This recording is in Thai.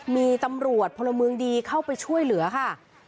มีตำรวจพลเมืองดีเข้าไปช่วยเหลือค่ะ